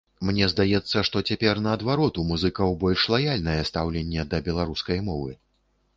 Мне здаецца, што цяпер наадварот у музыкаў больш лаяльнае стаўленне да беларускай мовы.